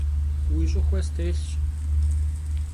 Vui ş'ıxue stêlhş.